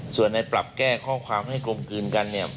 ส่วนในปรับแก้ข้อความให้กลมกลืนกันเนี่ย